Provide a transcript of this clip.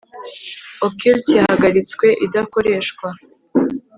Occult yahagaritswe idakoreshwa